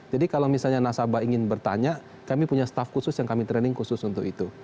jadi kalau misalnya nasabah ingin bertanya kami punya staff khusus yang kami training khusus untuk itu